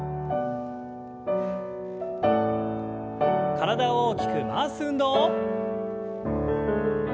体を大きく回す運動。